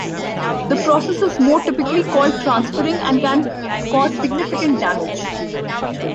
The process is more typically called transferring and can cause significant damage.